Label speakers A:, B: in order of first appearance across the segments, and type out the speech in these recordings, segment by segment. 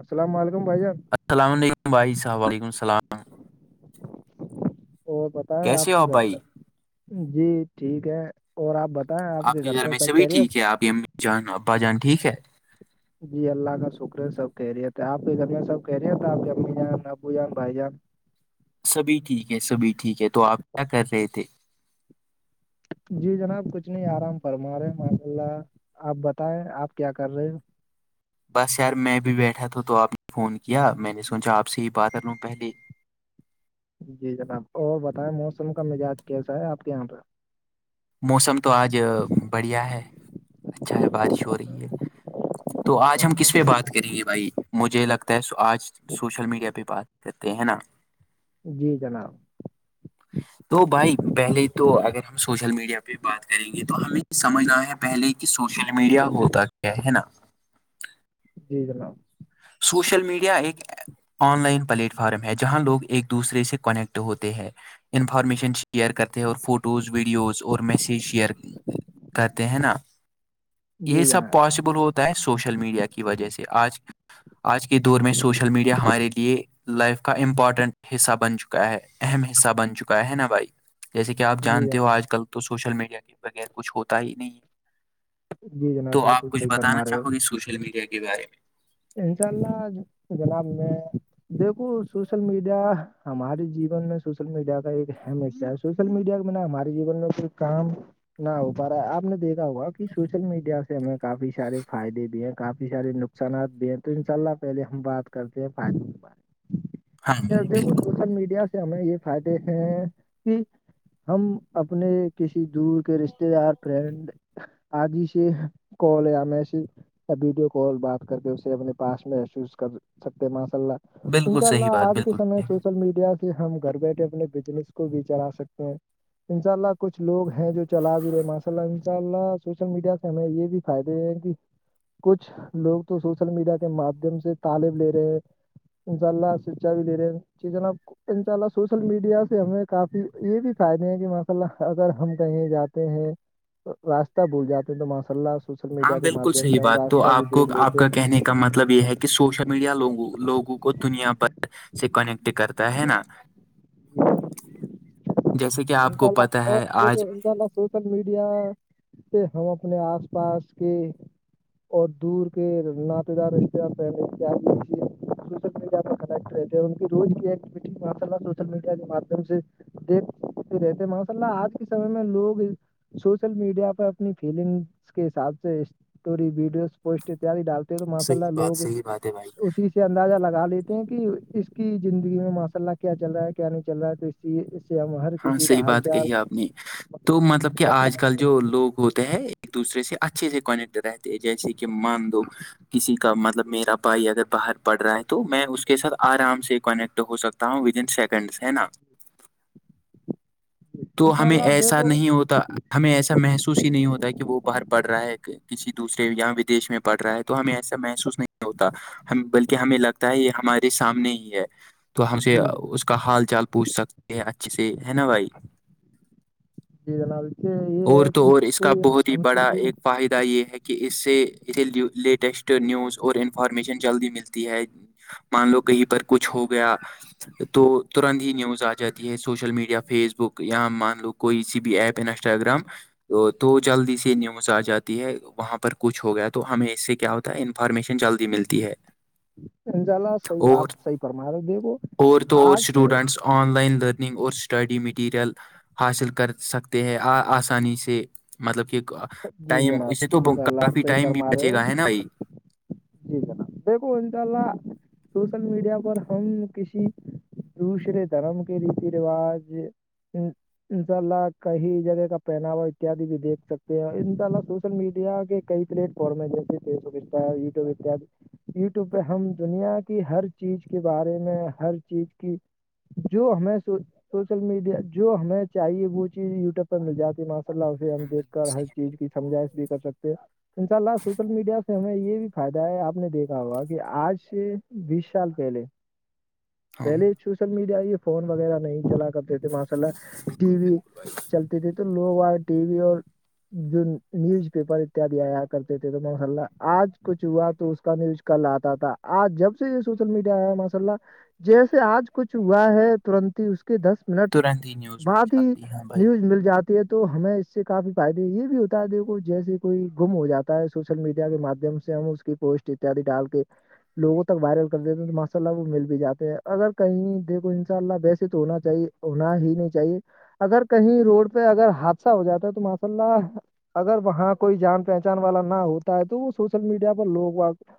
A: السلام علیکم بھائی جان
B: السلام علیکم بھائی صاحب ولیکم السلام
A: اور بتیں
B: کیسے
A: آپ
B: ہو
A: کے گھر
B: بھائی
A: پہ جی ٹھیک ہے اور آپ بتائیں آپ کے گھر پہ
B: میں
A: سب
B: سبھی
A: کیریت
B: ٹھیک ہے آپ کی امی جان ابا جان ٹھیک ہے
A: جی اللہ کا شکر ہے سب کہہ رہے آپ کے گھر میں سب کہہ رہے ہیںے آپ کے امی جان ابو جان بھائی جان
B: سبھی ٹھیک ہے سبھی ٹھیک ہے تو آپ کیا کر رہے تھے
A: جی جناب کچھ نہیں آرام فرما رہے ہیں ماشاء اللہ آپ بتائیں آپ کیا کر رہے ہیں
B: بس یار میں بھی بیٹھا تھا تو آپ نے فون کیا میں نے سوچا آپ سے ہی بات کر لوں پہلے
A: جی جناب اور بتائے موسم کا مزاج کیسا ہے آپ کے یہاں پہ
B: موسم تو آج بڑھیا ہے اچھا ہے بارش ہو رہی ہے تو آج ہم کس پہ بات کریں گے بھائی مجھے لگتا ہے آج سوشل میڈیا پہ بات کہتے ہیں نا
A: جی جناب
B: تو بھائی پہلے تو اگر ہم سوشل میڈیا پہ بات کریں گے تو ہمیں یہ سمجھنا ہے پہلے کہ سوشل میڈیا ہوتا کیا ہے نا
A: جی جناب
B: سوشل میڈیا ایک آن لائن پلیٹ فارم ہے جہاں لوگ ایک دوسرے سے کنیکٹ ہوتے ہیں انفارمیشن شیئر کرتے ہیں اور فوٹوز ویڈیوز اور میسیج شیئر کرتے ہیں نا
A: جی
B: یہ سب
A: جناب
B: پاسبل ہوتا ہے سوشل میڈیا کی وجہ سے آج آج کے دور میں سوشل میڈیا ہمارے یہ لائف کا امپورٹنٹ حصہ بن چکا ہے اہم حصہ بن چکا ہے نا بھائی جیسے کہ آپ
A: جی
B: جانتے ہو
A: جناب
B: آج کل تو سوشل میڈیا کے بغیر کچھ ہوتا ہی نہیں
A: جی جناب
B: تو آپ
A: بالکل
B: کچھ
A: صحیح
B: بتانا
A: فرما رہے ہو
B: چاہو گے سوشل میڈیا کے بارے میں
A: انشاء اللہ جناب میں دیکھو سوشل میڈیا ہمارے جیون میں سوشل میڈیا کا ایک اہم حصہ ہے سوشل میڈیا میں نا ہمارے جیون میں کوئی کام نہ ہو پا رہا ہے آپ نے دیکھا ہوا کہ سوشل میڈیا سے ہمیں کافی سارے فائدے بھی ہیں کافی سارے نقصانات تو ان شاء اللہ پہلے ہم بات کرتے ہے پانی کے
B: ہاں
A: بارے
B: بھائی
A: میں
B: بالکل
A: سوشل میڈیا سے سے ہمیں یہ فائدے ہیں کہ ہم اپنے کسی دور کے رشتےدار فرینڈ آگ ہی سے کال یا میں سے یا ویڈیو کال بات کر کے اس اپنے پاس محسوس کر سکتے ماشاء اللہ ان
B: بالکل
A: شاء
B: صحیح
A: اللہ
B: بات
A: آج کے
B: بالکل
A: سمے
B: صحیح۔
A: سوشل میڈیا سے ہم گھر بیٹھے اپنے بزنس کو بھی چلا سکتے ہیں انشاء اللہ کچھ لوگ ہیں جو چلا بھی رہے ماشاء اللہ ان شاء اللہ سوشل میڈیا سے ہمیں یہ بھی فائدے یہ ہیں کہ کچھ لوگ تو سوشل میڈیا کے مادھیم سے تعالم لے رہے ہیں ان شاءاللہ سچائی دے رہے ٹھیک ہے نا ان شاء اللہ سوشل میڈیا سے ہمیں کافی یہ بھی فائدے ہیں کہ ماشاء اللہ اگر ہم کہیں جاتے ہیں راستہ بھول جاتے ہیں تو ماشاء اللہ سوشل
B: ہاں
A: میڈیا کے
B: بالکل
A: مادھیم
B: صحیح
A: سے ہم
B: بات تو
A: راستہ بھی
B: آپ کو
A: دیکھ
B: آپ
A: لیتے
B: کا کہنے کا مطلب یہ ہے کہ سوشل میڈیا لوگوں لوگوں کو دنیا بھر سے کنیکٹ کرتا ہے نا جیسے کہ
A: ان
B: آپ
A: شاء
B: کو
A: اللہ
B: پتا
A: میں
B: ہے
A: دیکھو
B: آج
A: ان شاء اللہ سوشل میڈیا سے ہم اپنے آس پاس کے اور دور کے نااتے دار رشتے دار پہے سوشل میڈیا پ کنیکٹ رہتے ہیں ان کی روز کی ایکٹیوٹیز ماشا اللہ سوشل میڈیا کے ماددھیم سے ج [unintelligible] رہتے ماشاء اللہ آج کے سمے میں لوگ سوشل میڈیا پر اپنی فیلنگس کے حساب سے اسٹوری ویڈیوز پوسٹ ڈالتے چھلو ماشاء اللہ
B: صحیح بات
A: لوگ
B: صحیح بات ہے بھائی
A: کوشش اندازہ لگا لیتے ہیں کہ اس کی زندگی میں ماشاء اللہ کیا چل رہا ہے کیا نہیں چل رہا ہے تو اس اس سے ہم ہر
B: ہاں
A: کسی
B: صحیح
A: کا حال
B: بات
A: چال
B: کہی آپ نے تو مطلب کہ آج کل
A: برتاؤ
B: جو لوگ ہوتے ہیں ایک دوسرے سے اچھے سے کنیکٹ رہتے جیسے کہ مان لو کسی کا مطلب میرا بھائی اگر باہر پڑ رہا ہے تو میں اس کے ساتھ آرام سے کنیکٹ ہو سکتا فرم ود ان سیکنڈس ہے نا تو
A: ان شاء
B: ہمیں
A: اللہ آپ
B: ایسا
A: دیکھو
B: نہیں ہوتا ہمیں ایسا محسوس ہی نہیں ہوتا کہ وہ باہر پڑھ رہا ہے کسی دوسرے یہاں ودیش میں پڑھ رہا ہے تو ہمیں ایسا محسوس نہیں ہوتا ہم بلکہ ہمیں لگتا ہے یہ ہمارے سامنے ہی ہے تو ہم سے
A: جی جناب
B: اس کا حال چال پوچھ سکتے ہیں اچھے سے ہے نا بھائی
A: جی جناب سے یہ
B: اور
A: ہے
B: تو
A: کہ
B: اور اس کا
A: کوئی
B: بہت ہی
A: ہم
B: بڑا ایک فائدہ یہ ہے کہ کہ اس سے اسے لیٹسٹ نیوز اور انفارمیشن جلدی ملتی ہے مان لو کہیں پر کچھ ہو گیا تو ترنت ہی نیوز آ جاتی ہے سوشل میڈیا فیس بک یا مان لو کوئی سی بھی ایپ انسٹاگرام تو تو جلدی سے نیوز آ جاتی ہے وہاں پر کچھ ہو گیا تو ہمیں اس سے کیا ہو انفارمیشن جلدی ملتی ہے
A: انشاء اللہ صحیح
B: اور
A: آپ صحیح فرما رہے دیکھو
B: اور تو اور
A: آج
B: اسٹوڈنٹس آن لائن لرننگ اور اسٹڈی میں مٹیریل حاصل کر سکتے ہیں آ آسانی سے مطلب کہ
A: جی
B: ٹائم
A: جناب
B: اس سے تو
A: ان شاء اللہ آپ
B: کافی
A: صحیح
B: ٹائم بھی
A: فرما رہے
B: بچے
A: ہو
B: گا ہے نا بھائی
A: جی جناب دیکھو انشاء اللہ سوشل میڈیا پر ہم کسی دوسرے دھرم کے ریتی رواج انشاء اللہ کئی جگہ کا پہناوا اتیاد بھی دیکھ سکتے ہیں ان شاءلہ سوشل میڈیا کے کئی پلیٹ فارم ہے جیسے فیس بکس وٹیوب یوٹیوب پہ ہم دنیا کی ہر چیز کے بارے میں ہر چیز کی جو ہمیں سوشل میڈیا جو ہمیں چاہیے وہ چیز یوٹیوب پر مل جاتی ہے ان اللہ سے ہم
B: ہاں،
A: دیکھ کر
B: بالکل
A: ہر
B: صحیح
A: چیز کی سمجائش بھی کر سکتے ہیں ان شاء اللہ سوشل میڈیا سے ہمیں یہ بھی فائدہ ہے آپ نے دیکھا ہوگا کہ آج سے بیس سال پہلے
B: ہاں
A: پہلے چو ل میڈیا یہ فون وغیرہ نہیں چلا کرتے تھے ماشا اللہ
B: بالکل
A: ٹی وی
B: بالکل بھائی
A: چلتی تھی تو لوگ آ ٹی وی اور جو نیوز پیپر اتیاد آیا کرتے تھے تو ماس اللہ آج کچھ ہوا تو اس کا نیوز کل آتا تھا آج جب سے یہ سوشل میڈیا آ ماشاء اللہ جیسے آج کچھ ہوا ہے ترنت ہی اس کے دس منٹ
B: ترنت ہی نیوز مل
A: بعد ہی
B: جاتی ہے ہاں بھائی
A: نیوز مل جاتی تو ہمیں اس سے کافی فائدے یہ بھی ہوتا ہے دیکھو جیسے کوئی گم ہو جاتا ہے سوشل میڈیا کے مادھیم سے سموس کی پوسٹ اتیاد ڈال کے لوگوں تک وائرل کر دیتے ہیں تو ماشاء اللہ وہ مل بھی جاتے ہیں اگر کہیں دیکھو انشاء اللہ ویسے تو ہونا چاہیے ہونا ہی نہیں چاہیے اگر کہیں روڈ پہ اگر حادثہ ہو جاتا ہے تو ماشاء اللہ اگر وہاں کوئی جان پہچان والا نہ ہوتا ہے تو وہ سوشل میڈیا پر لوگ وہاں سے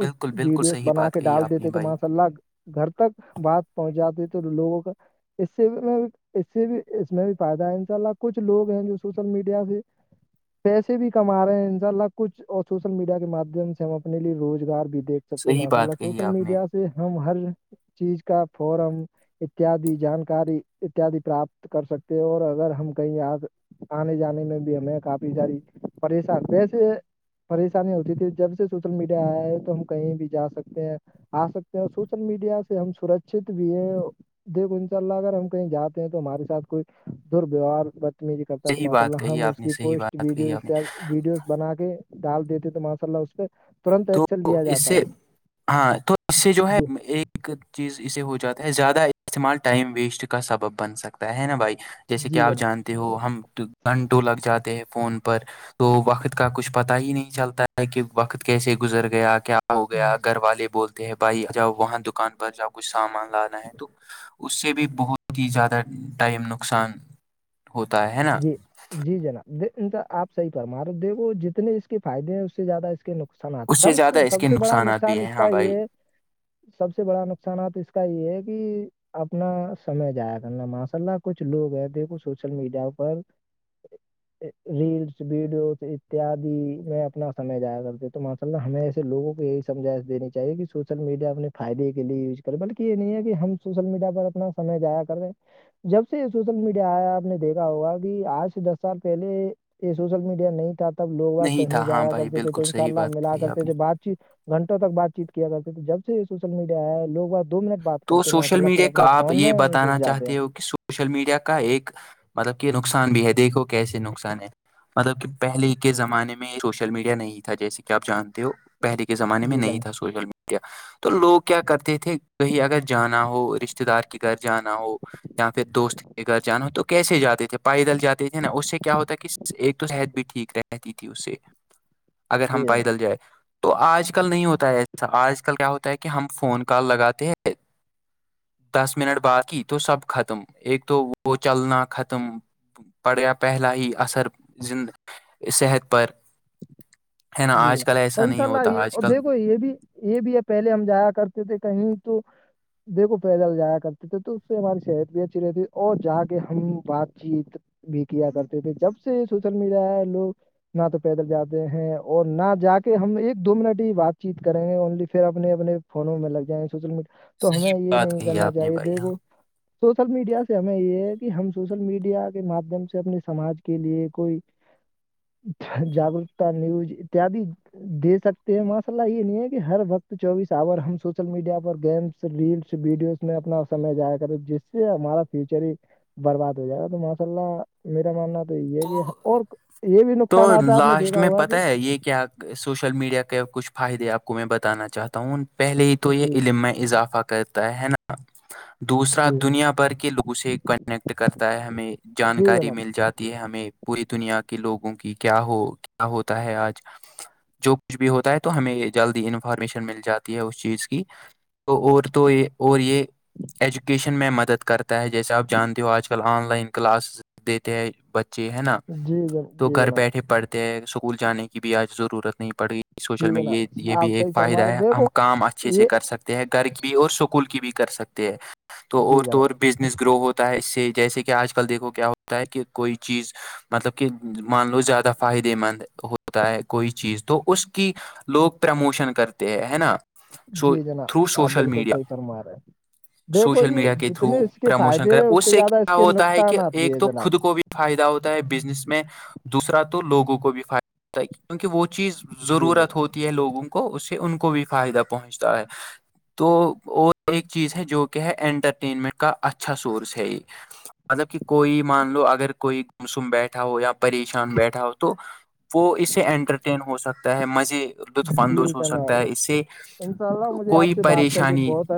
A: اس
B: بالکل بالکل
A: ویڈیوز
B: صحیح
A: بنا
B: بات
A: کے
B: کہی
A: ڈال
B: آپ نے
A: دیتے تو
B: بھائی
A: ماشاء اللہ گھر تک بات پہنچاتی تو لوگوں کا اس سے میں اس سے بھی اس میں بھی فائدہ ہے ان شاء اللہ کچھ لوگ ہیں جو سوشل میڈیا سے پیسے بھی کما رہے ہیں ا انشاء اللہ کچھ اوفس سوشل میڈیا کے مادھیم سے ہم اپنے لیے روزگار بھی دھ سکتے ہیں
B: صحیح
A: ماشاء
B: بات
A: اللہ
B: کہی
A: سوشل
B: آپ نے
A: میڈیا سے ہم ہر چیز کا فورم اتیادی جانکاری اتیاد پراپت کر سکتے ہیں اور اگر ہم کہیں آیا آنے جانے میں بھی ہمیں کافی ساری پریشانی ویسے پریشانی ہوتی تھی جب سے سوشل میڈیا آیا ہے تو ہم کہیں بھی جا سکتے ہیں آ سکتے ہیں اور سوشل میڈیا سے ہم سرچت بھی ہیں دیکھو انشاء اللہ اگر ہم کہیں جاتے ہیں تو ہمارے ساتھ کوئی درویوہار بدتمیی کر تو
B: صحیح
A: ماشاء
B: بات
A: اللہ
B: کہی
A: ہم
B: آپ
A: اس
B: نے
A: کی
B: صحیح
A: پوسٹ
B: بات
A: ویڈیو
B: کہی آپ نے
A: ویڈیوز بنا کے ڈال دیتے تو ماشاء اللہ اس پہ ترنت
B: تو
A: ایکشن لیا
B: اس
A: جاتا
B: سے
A: ہے
B: ہاں تو اس سے جو ہے
A: جی
B: ایک ایک چیز اسے ہو جاتا ہے زیادہ استعمال ٹائم ویسٹ کا سبب بن سکتا ہے نا بھائی جیسے کہ
A: جی
B: آپ
A: جناب
B: جانتے ہو ہم گھنٹوں لگ جاتے ہیں فون پر تو وقت کا کچھ پتا ہی نہیں چلتا ہے کہ وقت کیسے گزر گیا کیا ہو گیا
A: جی
B: گھر والے بولتے بھائی جب وہاں دکان پر جا کچھ سامان لانا ہے تو اس سے بھی بہت ہی زیادہ ٹائم نقصان ہوتا ہے نا
A: جی جی جناب آپ صح فرما رہ د جتنے اس کے فائدے ہیں اس سے زیادہ اس کے نقصان نقصانات
B: اس
A: سب سے
B: زیادہ اس
A: سب
B: کے
A: سے بڑا
B: نقصانات بھی
A: نقصان
B: ہیں
A: اس
B: ہاں
A: کا یہ
B: بھائی
A: ہے سب سے بڑا نقصانات اس کا یہ ہے کہ اپنا سمے زایا کرنا ماشاء اللہ کچھ لوگ ہے دیھکو سوشل میڈیا پر ریلس ویڈیوز اتیادی میں اپنا سمے جایا کرتے ت مطلب ہمیں ایسےوگوں کو یہی سمجائ دینی چاہیے کہ سوشل میڈیا اپنے فائد کے لیے یز بلکہ یہ نہیں ہے کہ ہم سوشل میڈیا پر اپنا سمے جایا کر رہے جب سے یہ سوشل میڈیا آیا آپ نے دیکھا ہوا کہ آج سے دس سال پہلے یہ سوشل میڈیا نہیں تھا تھا تب لوگ آ
B: نہیں تھا
A: کہیں
B: ہاں
A: جایا
B: بھائی
A: کرتے تھے
B: بالکل
A: تو ان شاء
B: صحیح
A: اللہ
B: بات
A: ملا
B: کہی آپ
A: کرتے
B: نے
A: تھے بات گھنٹوں تک بات چیت کیا کرتے تھے جب سے یہ سوشل میڈیا آیا ہے لوگ آپ دو منٹ بات
B: تو
A: کرتے ماشاء
B: سوشل
A: اللہ پھر
B: میڈیا کا
A: اپنے
B: آپ
A: فون
B: یہ
A: میں ہی گھس
B: بتانا
A: جاتے ہیں
B: چاہتے ہو کہ سوشل میڈیا کا ایک مطلب کہ نقصان بھی ہے دیکھو کیسے نقصان ہے مطلب کہ پہلے کے زمانے میں سوشل میڈیا نہیں تھا جیسے کہ آپ جانتے ہو پہلے کے زمانے میں
A: جی
B: نہیں
A: جناب
B: تھا سوشل میڈیا تو لوگ کیا کرتے تھے کہ اگر جانا ہو رشتتے دار کے گھر جانا ہو یا پھر دوست کے گھر جانا ہو تو کیسے جاتے تھے پائیدل جاتے تھے نا اس سے کیا ہوتا کہ ایک تو صحت بھی ٹھیک رہتی تھی اس سے اگر ہم
A: جی جناب
B: پیدل جائے تو آج کل نہیں ہوتا ہے ایسا آج کل کیا ہوتا ہے کہ ہم فون کال لگاتے ہیں دس منٹ بعد کی تو سب ختم ایک تو وہ چلنا ختم پڑیا پہلا ہی اثر زند صحت پر ہے نا آج کل ایسا
A: ان شاء
B: نہیں ہوتا
A: اللہ
B: آج
A: اور
B: کل
A: دیکھو یہ بھی یہ بھی ہے پہلے ہم جایا کرتے تھے کہیں تو دیکھو پیدل جایا کرتے تھے تو اس سے ہماری صحت بھی اچھی رہتی تھی اور جا کے ہم بات چیت بھی کیا کرتے تھے جب سے سوشل میڈیا لوگ نہ تو پیدل جاتے ہیں اور نہ جا کے ہم ایک دو منٹ ہی بات چیت کریں گے اونلی پھر اپنے اپنے فونوں میں لگ جائیں گے تو
B: صحیح
A: ہمیں یہ
B: بات
A: نہیں
B: کہی
A: کرنا
B: آپ نے
A: چاہیے
B: بھائی ہاں
A: دیکھو سوشل میڈیا سے ہمیں یہ ہے کہ ہم سوشل میڈیا کے مادھیم سے اپنے سماج کے لیے کوئی جاگگرکتا نہیں اتیاد دے سکتے ہیں ماشاء اللہ یہ نہیں ہے کہ ہر وقت چوبیس آور ہم سوشل میڈیا پر گیمس ریلس ویڈیوز میں اپنا سمے جایا کر جس سے ہمارا فیوچر ہی برباد ہو جائے گا تو ماشاء اللہ میرا ماننا
B: تو
A: اور یہ بھی نقصانات ہے آپ نے دیکھا ہوگا کہ
B: کہاہیے کیا سوشل میڈیا کے کچھ فائدے آپ کو میں بتانا چاہتا ہوں پہلے ہی تو یہ
A: جی
B: علم میں اضافہ کرتا ہے نا دوسرا
A: جی
B: دنیا بھر کے لوگوں سے کنیکٹ کرتا ہے ہمیں
A: جی
B: جانکاری
A: جناب
B: مل جاتی ہمیں پوری دنیا کے لوگوں کی کیا ہو کیا ہوتا ہے آج جو کچھ بھی ہوتا ہے تو ہمیں جلدی انفارمیشن مل جاتی ہے اس چیز کی تو اور تو یہ اور یہ ایجوکیشن میں مدد کرتا ہے جیسے آپ جانتے ہو آج کل آن لائن کلاسز دیتے ہیں بچے ہے نا
A: جی جناب
B: تو
A: جی
B: گھر
A: جناب
B: بیٹھے پڑھتے ہیں اسکول جانے کی بھی آج ضرورت نہیں پڑ گئی سوشل
A: جی جناب
B: میڈ یہ
A: آپ
B: بھی ایک
A: صحیح
B: فائدہ
A: فرما رہے
B: ہے ہم
A: دیکھو
B: کام اچھے سے
A: یہ
B: کر سکتے ہیں گھر کی بھی اور اسکول کی بھی کر سکتے ہیں تو
A: جی
B: اور تو
A: جناب
B: اور بھی بزنس گرو ہوتا ہے اس سے جیسے کہ آج کل دیکھو کیا ہوتا ہے کہ کوئی چیز مطلب کہ مان لو زیادہ فائدے مند ہوتا ہے کوئی چیز تو اس کی لوگ پرموشن کرتے ہیں ہے نا سو
A: جی جناب
B: تھرو
A: آپ
B: سوشل
A: بالکل
B: میڈیا
A: صحیح فرما رہے ہیں دیکھو
B: سوشل
A: یہ
B: میڈیا کے تھرو
A: جتنے اس کے
B: پرموشن
A: فائدے
B: کرے
A: ہیں اس سے زیادہ اس
B: کیا
A: کے
B: ہوتا ہے کہ
A: نقصانات بھی
B: ایک
A: ہے
B: تو
A: جناب
B: خود کو بھی فائدہ ہوتا ہے بزنس میں دوسرا تو لوگوں کو بھی فائدہ کیونکہ وہ چیز
A: جی
B: ضرورت
A: جناب
B: ہوتی ہے لوگوں کو اس سے ان کو بھی فائدہ پہنچتا ہے تو اور ایک چیز ہے جو کہ ہے انٹرٹینمنٹ کا اچھا سورس ہے یہ مطلب کہ کوئی مان لو اگر کوئی گمسم بیٹھا ہو یا پریشان بیٹھا ہو تو وہ اس سے انٹرٹین ہو سکتا ہےیا مزے لطف
A: جی
B: اندوز ہو سکتا ہے اس سے
A: جناب انشاء اللہ مجھے آپ
B: کوئی
A: سے بات کر کے
B: پریشانی
A: بہت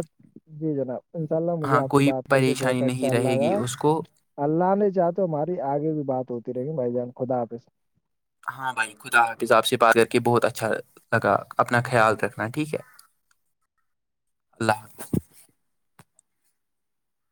A: جی جمم بچے ان شاء اللہ مجھے
B: ہاں
A: آپ سے
B: کوئی
A: بات کر کے
B: پریشانی
A: بہت
B: نہیں
A: اچھا
B: رہے گی
A: لگا
B: اس کو
A: اللہ نے چاہ تو ہماری آگے بھی بات ہوتی رہےی بھائی جان خدا حافظ
B: ہاں بھائی خدا حافظ آپ سے بات کر کے بہت اچھا لگا اپنا خیال رکھنا ٹھیک ہے اللہ حافظ